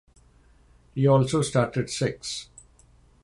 He also started six.